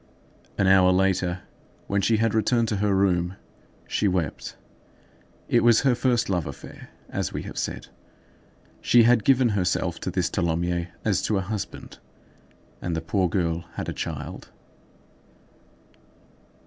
An hour later, when she had returned to her room, she wept. It was her first love affair, as we have said; she had given herself to this Tholomyès as to a husband, and the poor girl had a child.